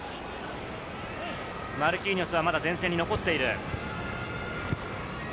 マルキーニョスはまだ前線に残っている。